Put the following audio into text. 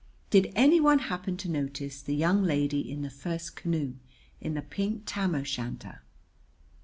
Did any one happen to notice the young lady in the first canoe, in the pink tam o' shanter?"